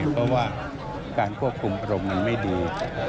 เพราะว่าการควบคุมอารมณ์มันไม่ดี